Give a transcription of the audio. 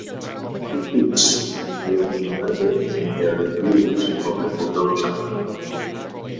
Critics were divided in their reviews of the production.